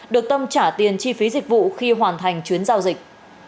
được tâm trả tiền chi phí dịch vụ khi hoàn thành chuyến giao dịch